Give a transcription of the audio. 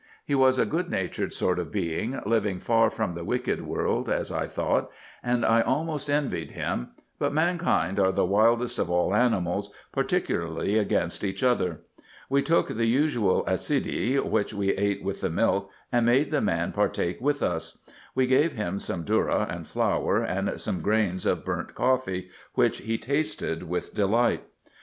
He was a good natured sort of being, living far from the wicked world, as I thought, and I almost envied him ; but mankind are the wildest of all animals, particularly against each other. We took the usual accide, which we ate with the milk, and made the man partake with us : we gave him some dhourra and flour, and some grains of burnt coffee, which he tasted with delight.